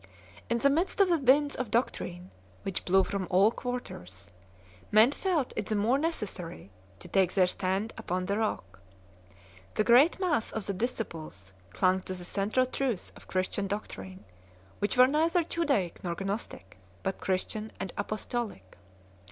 In the midst of the winds of doctrine which blew from all quarters, men felt it the more necessary to take their stand upon the Rock. The great mass of the disciples clung to the central truths of Christian doctrine, which were neither Judaic nor Gnostic, but Christian and Apostolic.